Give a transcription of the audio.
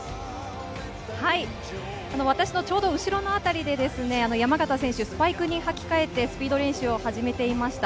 私のちょうど後ろのあたりで山縣選手、スパイクに履き替えて、スピード練習を始めています。